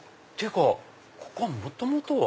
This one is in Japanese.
ここ元々は？